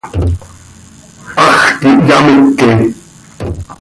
Hax quih hyameque.